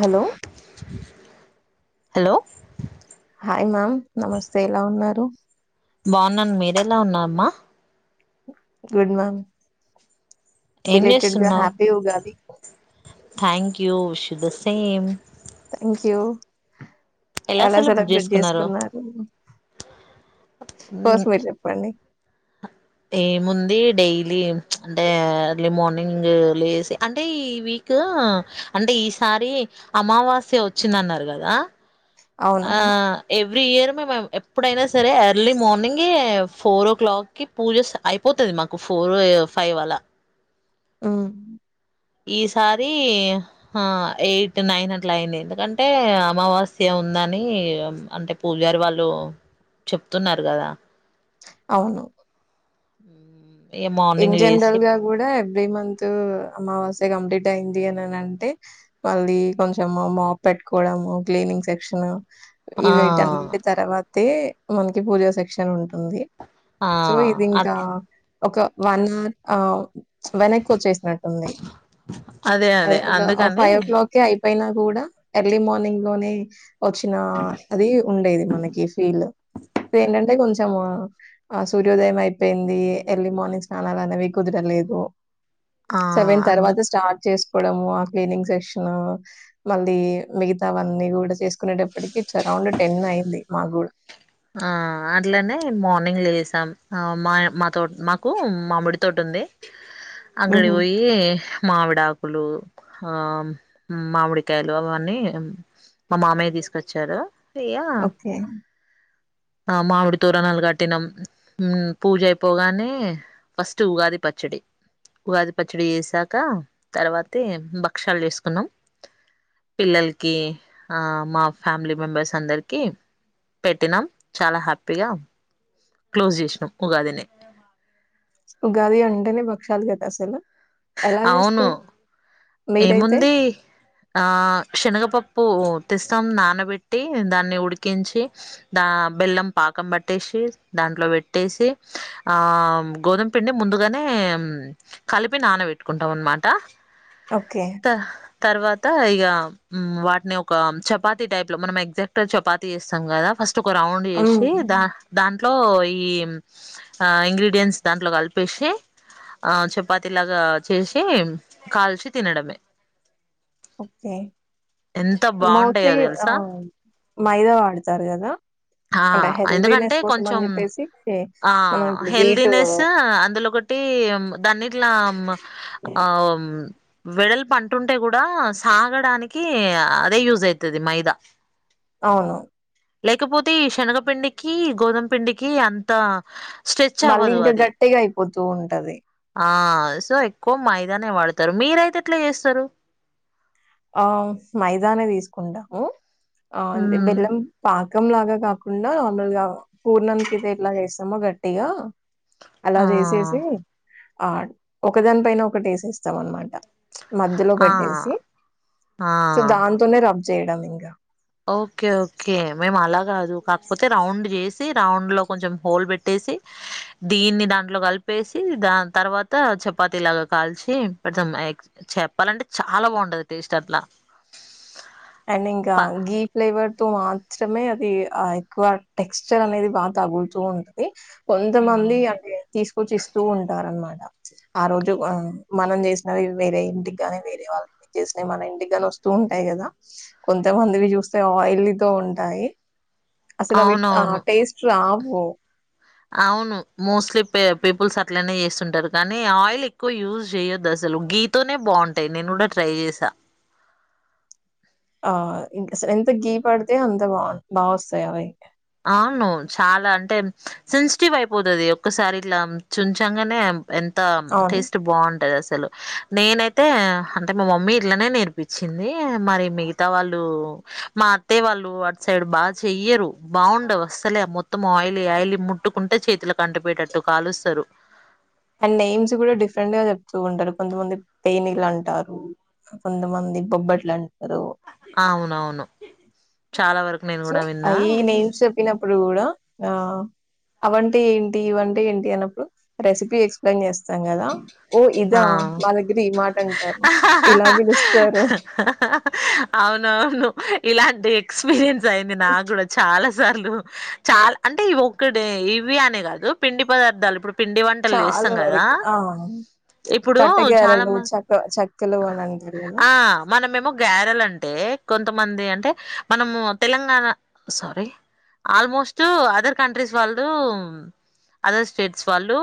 Hello hello hi ma'am నమస్తే ఎలా ఉన్నారు బాగున్నాను మీరెలా ఉన్నా అమ్మా గుడ్ మ్యామ్ ఏం బిలేటెడ్‌గా చేస్తున్నావు్ happy Ugadi. Thank you Usha the same thank you ఎలా సెలబ్రేట్ చేసుకున్నారు ఫస్ మ్, మీరు చెప్పండి ఏముంది డైలీ అంటే అర్లీ మార్నింగ్ లేసి అంటే ఈ వీక్ అంటే ఈసారి అమావాస్య వచ్చిందన్నారు కదా ఆ అవునవును. ఏ ఎవ్రీ ఇయర్ మేము ఎప్పుడైనా సరే ఎర్లీ మార్నింగ ఫోర్ ఓ క్లాక్కిి పూజ అయిపోతుంది మాకు ఫోర్ ఫైవ్ అలా ఆ ఈసారి ఆ ఎయిట్ నైన్ అట్లా అయింది ఎందుకంటే అమావాస్య ఉందని అంటే పూజారి వాళ్ళు చెప్తున్నారు కదా అవును ఉ ఇన్ జనరల్ గా కూడా ఎవ్రీ మంత్ అమ్మావాస్తే కంప్లీట్ అయింది అనిని అంటే మళ్ళీ కొంచెం మాప్ పెట్టుకోవడము క్లీనింగ్ సెక్షన్ ఆ ఈవేంటలాడి తర్వాతే మనకి పూజ సెక్షన్ ఉంటుంది ఆ సో ఇది ఇంకా అట్ ఒక వన్ అ వెనక్ వచ్చేసినట్టు ఉంది, అదే అదే అందుకని ఫైవ్ ఓ క్లాక్హె అయిపోయినా కూడా ఎర్లీ మార్నింగ్ లోనే వచ్చిన అది ఉండేది మనకి ఫీల్ ఇ ఏంటంటే కొంచం కొంచ మా సూర్యోదయం అయిపోయింది ఎర్లీ మార్నింగ్ చాలానవి కుదరలేదు ఆ సెవెన్ తర్వాత అందుకు స్టార్ట్ చేసు డము ఆ క్లీనింగ్ సెక్షన్ మళ్ళీ మిగతావన్నీ కూడా చేసుకునేటప్పటికి అరౌండ్ టెన్ అయింది మా కూడా ఆ అట్లనే మార్నింగ్లు చేసాం మా మాతో మాకు మామిడి తోటి ఉంది అంగడి హుహు. పోయి మావిడ ఆకులు ఆ మామిడికాయలు అవన్నీ మా మామయ్య తీసుకొచ్చారు ఇగ ఓకే మామిడి తోరణాలు కట్టినాం పూజ అయిపోగానే ఫస్ట్ ఉగాది పచ్చడి ఉగాది పచ్చడి చేసాక తర్వాతే భక్షాలు చేసుకున్నాం పిల్లలకి మా ఫ్యామిలీ మెంబెర్స్ అందరికి పెట్టినాం చాలా హ్యాపీగా క్లోజ్ చేసినాం ఉగాదిని ఉగాది అంంటేనే బక్ష్యాలుత అసల ఎలా అవును చేస్తారు ఏముంది ఆ శనగపప్పు తెస్తాం నానబెట్టి దాన్ని ఉడికించి దా బెల్లం పాకం పట్టేసి దాంట్లో పెట్టేసి ఆ గోధుమ పిండి ముందుగానే కలిపి నానబెట్టుకుంటాం అనమాట ఓకే త తర్వాత ఇగ వాటిని ఒక చపాతి టైప్ లో మనం ఎగ్జాక్ట్ చపాతి చేస్తాం కదా ఫస్ తుక రౌండ్ హ్మ్. చేసి దా దాంట్లో ఈ ఇంగ్రీడియంన్ట్స్ దాంట్లో కలిపేసి చపాతి లాగా చేసి కాల్చి తినడమే ఓకే. ఎంత మోస్ట్లీ బాగుంటాయో ఆ తెలుసా మైదా వాడతారు కదా ఆ అంటే హెల్దీనెస్ ఎందుకంటే కోసం అని కొంచెం చెప్పేసి ఆ మనం ఇప్పుడు వీటు హెల్దీనెస్ అందులో ఒకటి దాన్ని లామ్ ఆ వెడల్పుఅంటుంటే కూడా సాగడానికి అదే యూజ్ అవుతుది మైదా అవును లేకపోతే ఈ శనగపిండికి గోధుమ పిండికి అంత స్ట్రెచ్ మళ్ళీ అవ్వదు ఇంకా అది గట్టిగా అయిపోతూ ఉంటది ఆ సో ఎక్కువ మయిదానే వాడు మీ రై ఎట్లా జేస్తారు ఆ మైదానే తీసుకుంటాము ఆంది ఉమ్ బెల్లం పా పాకం లాగా కాకుండా నార్మల్ గా పూర్ణానికి అతే ఎట్లా చేస్తామో గట్టిగా అలా ఆ చేసేసి ఆ ఒక దాని పైన ఒకటేస్స్తాం అనమాట మధ్యలో ఆ పెట్టేసి సో ఆ దాన్తోనే రా కబ్ చేయడం ఇంకా ఓకే ఓకే మేము అలా కాదు కాకపోతే రౌండ్ చేసి రౌండ్ లో కొంచెం హోల్ పెట్టేసి దీన్ని దాంట్లో కలిపేసి దా తర్వాత చపాతిలాగా కాల్చి పె చెప్పాలంటే చాలా బాగుంటది టేస్ట్ అట్లా అండ్ ఇంకా ప గీ ఫ్లేవర్ తో మాత్రమే అది ఆ ఎక్కువ టెక్స్చర్ అనేది బాగా తగులుతూ ఉంటది ఆ, కొంతమంది అంటే తీసుకొచ్చి ఇస్తూ ఉంటారు అన్నమాట ఆ రోజు మనం చేసినవి వేరే ఇంటికి నీ వేరే వాళ్ళ చేసినావి మన ఇంటికి గాని వస్తూ ఉంటాయి కదా కొంతమందివి చూస్తే ఆయిల్తో ఉంటాయి అసలు అవి ఆ అవునవును టేస్ట్ రా ఓ అవును మోస్ట్లీ పీపుల్స్ అట్లనే చేస్తుంటారు కానీ ఆయిల్ ఎక్కువ యూజ్ చేయ్యొద్దు అసలు గీతోనే బాగుంటాయి నేను కూడా ట్రై చేసా ఆ ఇంస ఎంత గీ పడితే అంత బా బా వస్తాయి అవి అవును చాలా అంటే సెన్సిటివ్ అయిపోతుది ఒక్కసారి ఇట్లా చుంచంగానే ఎంత అవును. టేస్ట్ బాగుంటది అస అసలు నేనైతే అంటే మా మమ్మీ ఇట్లనే నేర్పించింది మరి మిగతా వాళ్ళు మా అత్తయ్య వాళ్ళు అటు సైడ్ బాగా చెయ్యరు బాగుండవు అసలే మొత్తం ఆయిలీ ఆయిలీ ముట్టుకుంటే చేతిలో కంటిపోయేటట్టు కాలుస్తారు అండ్ నేమ్స్ కూడా డిఫరెంట్ గా చెప్తూ ఉంటారు కొంతమంది పేనీలు అంటారు కొంతమంది బొబ్బట్లు అంట ద అవునవును చాలా వరకు నేను సో కూడా విన్నా అయ నేమ్స్ చెప్పినప్పుడు కూడా ఆ అవంటే ఏంటి ఇవంటే ఏంటి అన్నప్పుడు రెసిపీ సిపీ ఎక్స్ప్లెయిన్ చేస్తాం కదా ఓ ఇదా ఆ మా దగ్గర ఈ మాట అంటారు ఇలా పిలుస్తారు అవును అవును ఇలాంటి ఎ పీరియన్స్ అయింది నాకు కూడా చాలా సార్లు చాల అంటే ఇ ఒక్కడ ఇవి అనే కాదు పిండి పదార్థాలు ఇప్పుడు పిండి వంటలు చేస్తాం కదా ఇప్పుడు చాలా తట్టగాయారలు మ చక్క చెక్కెలు అని అంటారు కదా గారల్ అంటే కొంతమంది అంటే మనము Telangana sorry almost other countries వాళ్ళు అదర్ స్టేట్స్ వాళ్ళు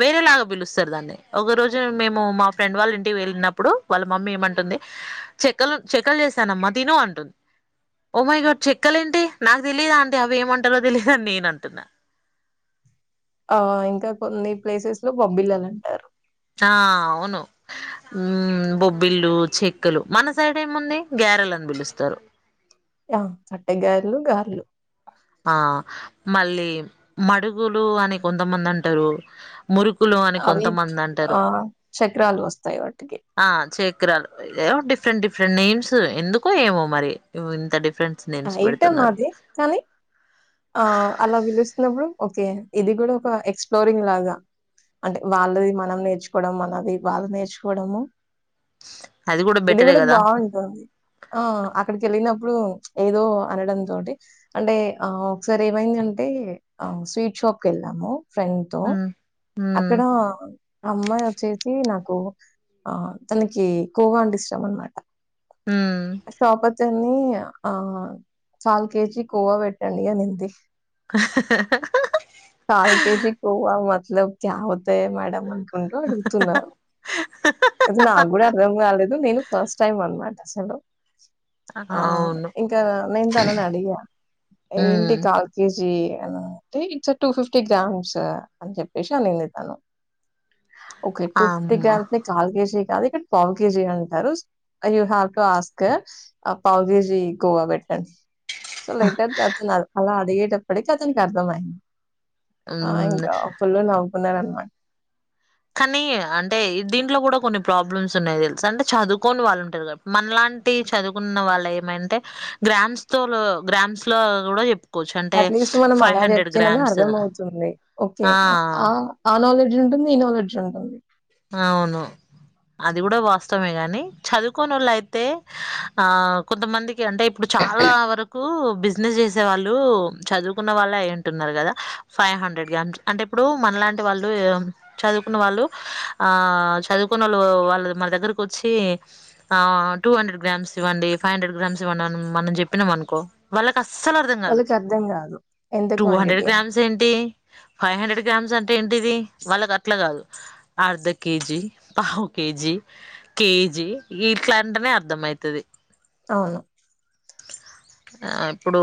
వేరేలాగా పిలుస్త దండి ఒక రోజు మేము మా ఫ్రెండ్ వాళ్ళ ఇంటి వెళ్ళినప్పుడు వాళ్ళ మమ్మీ ఏమంటుంది చెక్కలు చెక్కలు చేసానమ్మా తిను అంటుంది ఓ మై గాడ్ చెక్కలు ఏంటి నాకు తెలియదా అంటే అవి ఏమంటారో తెలిదుని నేను అంటున్నా ఆ ఇంకా కొన్ని ప్లేసెస్ లో బొబ్బిలలు అంటారు ఆ అవును ఊ బొబ్బిల్లు చెక్కలు మన సైడ్ ఏముంది గారెలుని పిలుస్తారు ఆ చట్ట గారలు గార్లు ఆ మళ్ళీ మడుగులు అని కొంతమంది అంటారు మురుకులు అని అవి కొంతమంది ఆ అంటారు చక్రాలు వస్తాయి వాటికి ఆ చకరాలు ఏ డిఫరెంట్ డిఫరె డిఫరెంట్ నేమ్స్ ఎందుకో ఏమో మరి ఇంత ఫ ఏట మాధ కానీ ఆ అలా పిలుస్తున్నప్పుడు ఓకే ఇది కూడా ఒక ఎక్స్ప్లోరింగ్ లాగా అంటే వాళ్ళది మనం నేర్చుకోవడం మనది వాళ్ళు నేర్చుకోవడము అది ఇది బెటరే కూడా కదా బాగుంటుంది ఆ అక్కడికి వెళ్ళినప్పుడు ఇప్పుడు ఏదో అనడం తోటి అంటే ఆ ఒకసారి ఏమైంది అంటే ఆ స్వీట్ షాప్ కి వెళ్ళాము ఫ్రెండ్ తో ఉమ్ ఉమ్ అక్కడ అమ్మాయి వచ్చేసి నాకు ఆ తనకి కోవా అంటే ఇష్టం అనమాట ఉమ్ సోప దతన్ని ఆ చాల కేజీ కోవా పెట్టండి అనింది ది కాల్ కేజీ కొవ్వ మల కవుతయి మ్యాడ అ కుంటు అడుగుతున్నారు అది నాకు కూడా అర్థం కాలేదు నేను ఫస్ట్ టై మనమాట అసలు ఆ అవును ఇంకా నేను తనని అడిగా ఏంటి ఉమ్ కేజీ అంటే ఇట్స్ టూ ఫిఫ్టీ గ్రామ్స్ అని చెప్పేసి అనింది తాను ఓకే టూ ఫిఫటీ అమ్మ గ్రామ్స్ నీ కాల్ కేజీ కాద ఇక్క పావ గజీ అంటారు యూ హ్యావ్ టు ఆస్క్ పావ్ కేజీ కొవా పెట్టండి సల ఇట అతునా అడగేటప్పుడేకి అతననికి అర్థమంది ఆ ఉమ్ ఇంకా ఫులు నావ ఉనరన్మ కానీ అంటే దీంట్లో కూడా కొన్ని ప్రాబ్లమ్స్ ఉన్నాయయి తెలుసు అంటే చదువుకొని వాళ్ళు ఉంటారుటి మనలాంటి చదువుకున్న వాళ్ళు ఏమంటే గ్రామ్స్ తో గ్రామ్స్ లో కూడా చెప్ అట్లీస్ట్ మనం అలా చెప్తేని అర్థ అవుతుంది ఓకే ఆ నాలెడ్జ్ ఉంటుంది ఈ నాలెడ్జ్ ఉంటుంది అవును అది కూడా వాస్తమే గాని చదువుకోని వాళ్ళు అయితే ఆ కొంతమంది అంటే ఇప్పుడు చాలా వరకు బిజినెస్ చేసే వాళ్ళు చదువుకున్న వాళ్ళు ఏంటున్నారు కదా ఫైవ్ హండ్రెడ్గా అంటే ఇప్పుడు మనలాంటి వాళ్ళు చదువుకున్న వాళ్ళు ఆ చదువుకునే వాళ్ళు వాళ్ళు మన దగ్గరకి వచ్చి ఆ టూ హండ్రెడ్ గ్రామ్స్ ఇవ్వండి ఫైవ్ హండ్రెడ్ గ్రామ్స్ ఇవ్వండి మనం చెప్పినాం అనుకో వాళ్ళ అస్సలు అర్థం కాదు వాళ్ళకి అర్థం కాదు ఎంత టూ హండ్రెడ్ క్వాంటిటీ అని గ్రామ్స్ ఏంటి ఫైవ్ హండ్రెడ్ గ్రామ్స్ అంటే ఏంటిది వాళ్ళకు అట్లా కాదు అర్ధ కేజీ పావు కేజీ కేజీ ఇట్లాంటనే అర్ధం అవుతుది అవును ఇప్పుడు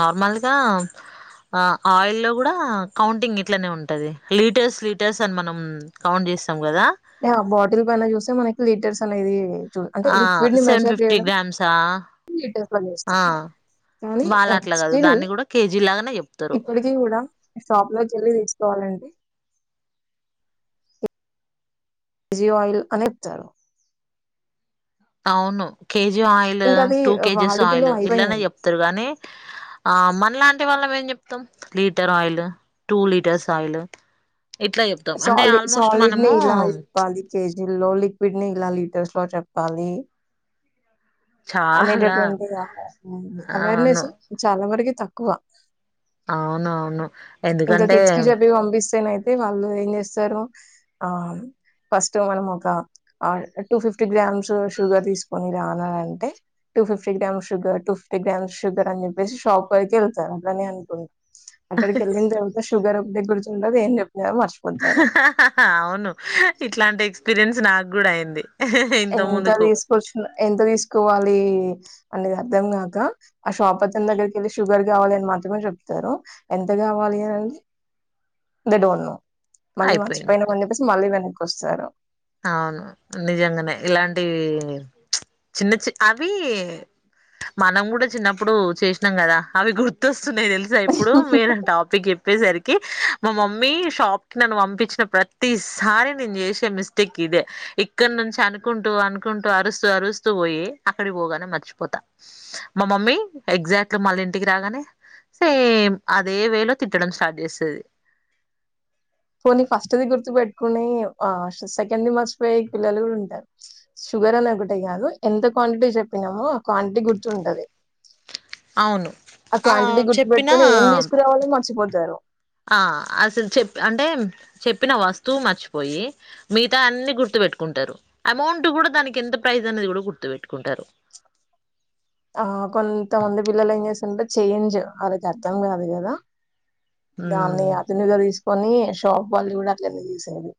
నార్మల్గా ఆయిల్లో కూడా కౌంటింగ్ ఇట్లనే ఉంటుంది లీటర్స్ లీటర్స్ అని మనం కౌంట్ చేస్తాం కదా బాటిల్ పైన చూస్తే మనకి లీటర్స్ తన ఇది అంటే ఆ లిక్విడ్ ని సెవెన్ మెషర్ ఫిఫ్టీ చేయడం గ్రామ్సా లీటర్లో ఆ చేస్తాము కానీ వాళ్ళ అట్లా కాదు స్టిల్ దాన్ని కూడా కేజీ లాగానే చెప్తారు ఇప్పటికి గూడా షాప్ లో చెల్లి తీ పోలండి జీ ఆయిల్ అనేప్తారు అవును కేజీ ఆయిల్ ఇంకా అది టూ కేజీస్ వాడుకలో ఆయిల్ ఇట్ల నే అయిపోయింది చెప్తారు గానీ ఆ మన లాంటి వాళ్ళం ఏం చెప్తాం litre oil two litres oil సాలి సాలిడ్ ని ఇలా చెప్పాలి కేజీ లో లిక్విడ్ ని ఇలా లీటర్స్ లో చెప్ ప్పాలి చాలా అనేటటువంటి అవేర్నెస్ చాలా వరకు తక్కువ అవున అవును ఎందుకంటే తేనె అయితే వాళ్ళు ఏం జేస్తారు ఆ ఫస్ట్ మనం ఒక టూ ఫిఫ్టీ గ్రామ్స్ షుగర్ తీసుకొని రానా అంటే two fifty grams sugar two fifty grams sugar అని చెప్పేసి షాప్ వరక వెళ్తారు అట్లాని అనుకుం అక్కడికి ఎల్లిన తర్వాత సుగర్ దె గుర్తు ఉండదు ఏం చెప్పినా మ అవును ఇట్లాంటి ఎక్స్పీరియన్స్ నాకు గూడా అయ్యింది ఎంత దీసుకొచ్చిన ఎంత దీసు కోవాలి అనేది అర్థం కాక ఆ షాప్ అతని దగ్గరికి వెళ్ళి షుగర్ కావాలి అని మాత్రమే చెప్తారు ఎంత గావాలి అని దె డోంట్ నో మళ్ళీ అయిపోయింది మర్చిపోయినాం అని జొప్పేసి మళ్ళీ వెన వస్తారు అవును నిజంగనే ఇలాంటి చిన్న చి అవి మనం గూడా చిన్నప్పుడు చేసినాం గదా అవి గుర్తొస్తున్నాయి తె ఇప్పుడు వేరే టాపిక్ చెప్పేసరికి మా మమ్మీ షాప్ కి నన్ను పంపించిన ప్రతిసారి నేను చేసే మిస్ కి ఇదే ఇక్కడ నుంచి అనుకుంటూ అనుకుంటూ అరుస్తూ అరుస్తూ పోయి అక్కడికి పోగానే మర్చిపోతా మా మమ్మీ ఎగ్జాక్ట్ మళ్ళ ఇంటికి రాగానే సేమ్ అదే వేలో తిట్టడం స్టార్ట్ జేస్తది పోనీ ఫస్ట్ ది గుర్తు పెట్టుకుని ఆ సెకండ్ది మరిచిపోయే పిల్లలు గూడా ఉంటారు షుగర్ అని ఒకటే కాదు ఎంత క్వాంటిటీ చెప్పినామో ఆ క్వాంటిటీ గుర్తుంటది అవును ఆ క్వాంటిటీ గుర్తు చెప్పిన పెట్టుకుని ఏం తీసుకురావాలో మర్చిపోతారు ఆ అసలు చెప్ప అంటే చెప్పిన వస్తువు మర్చిపోయి మిగతా అన్ని గుర్తు బెట్టుకుంటారు అమౌంట్ గూడా దానికి ఎంత ప్రైస్ అనేది గూడా గుర్తు పెట్టుకుంటారు ఆ కొంతమంది పిల్లలు ఏం చేస్తుంటే చేంజ్ అళకి అర్థం గాదు కదా దాన్ని అదునుగా తీస్ కొని షాప్ వాళ్ళు కూడా అట్లనే చేసేది